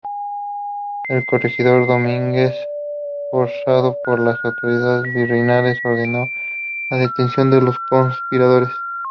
El corregidor Domínguez, forzado por las autoridades virreinales, ordenó la detención de los conspiradores.